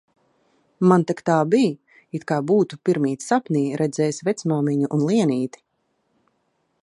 Man tak tā bij, it kā būtu pirmīt sapnī redzējis vecmāmiņu un Lienīti